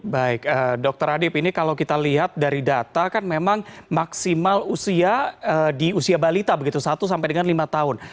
baik dokter adib ini kalau kita lihat dari data kan memang maksimal usia di usia balita begitu satu sampai dengan lima tahun